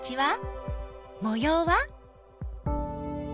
もようは？